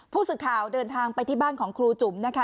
ผู้สื่อข่าวเดินทางไปที่บ้านของครูจุ๋มนะคะ